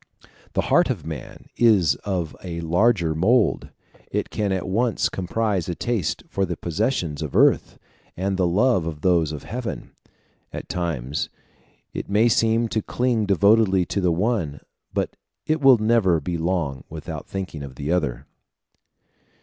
The heart of man is of a larger mould: it can at once comprise a taste for the possessions of earth and the love of those of heaven: at times it may seem to cling devotedly to the one, but it will never be long without thinking of the other.